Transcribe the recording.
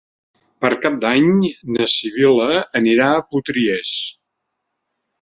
Per Cap d'Any na Sibil·la anirà a Potries.